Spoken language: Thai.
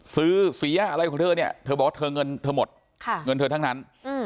ซื้อเสียอะไรของเธอเนี่ยเธอบอกว่าเธอเงินเธอหมดเงินเธอทั้งนั้น